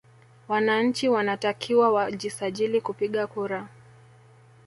Wananchi wanatakiwa wajisajili kupiga kura